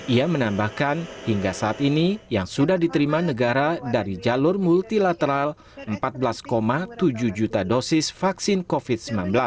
ia menambahkan hingga saat ini yang sudah diterima negara dari jalur multilateral empat belas tujuh juta dosis vaksin covid sembilan belas